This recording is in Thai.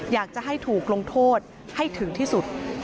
อยากจะให้ถูกลงโทษให้ถึงที่สุด